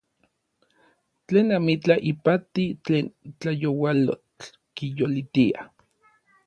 Tlen amitlaj ipati tlen tlayoualotl kiyolitia.